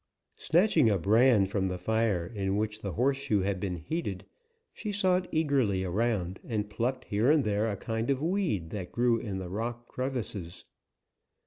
Snatching a brand from the fire in which the horseshoe had been heated, she sought eagerly around and plucked here and there a kind of weed that grew in the rock crevices.